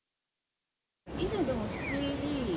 以前は、でもＣＤ。